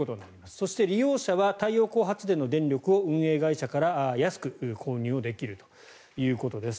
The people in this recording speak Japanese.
そして、利用者は太陽光発電の電力を運営会社から安く購入できるということです。